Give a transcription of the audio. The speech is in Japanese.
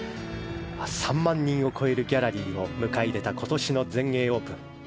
３万人を超えるギャラリーを迎え入れた今年の全英オープン。